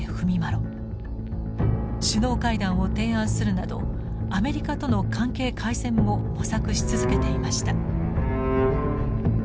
首脳会談を提案するなどアメリカとの関係改善も模索し続けていました。